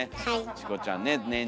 チコちゃんね年中ね。